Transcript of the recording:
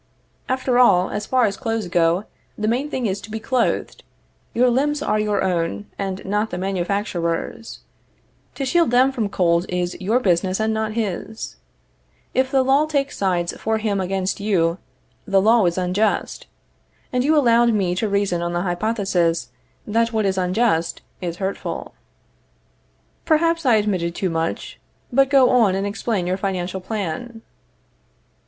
After all, as far as clothes go, the main thing is to be clothed. Your limbs are your own, and not the manufacturer's. To shield them from cold is your business and not his. If the law takes sides for him against you, the law is unjust, and you allowed me to reason on the hypothesis that what is unjust is hurtful. Perhaps I admitted too much; but go on and explain your financial plan.